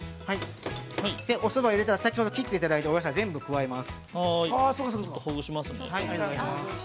◆おそばを入れたら、先ほど切っていただいたお野菜を全部加えます。